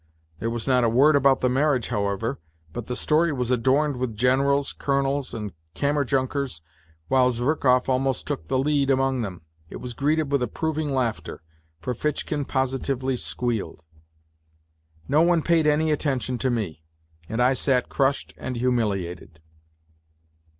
There was not a word about the marriage, however, but the story was adorned with generals, colonels and kammer junkers, while Zverkov almost took the lead among them. It was greeted with .approving laughter; Ferfitchkin positively squealed. No one paid any attention to me, and I sat crushed and humiliated.